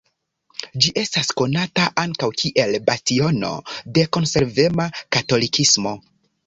Ĝi estas konata ankaŭ kiel bastiono de konservema katolikismo.